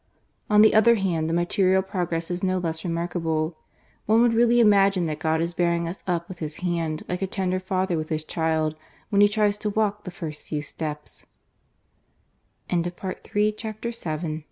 On the other hand, the material progress is no less remarkable. One would really imagine that God js bearing us up with His hand, like a tender v&ther with his child when he tries to walk the first few steps! "•* ■■r.